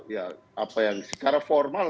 ya apa yang secara formal